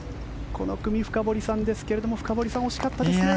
この組、深堀さんですが深堀さん、惜しかったですね。